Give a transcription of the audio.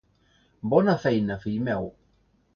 Bona feina, fill meu.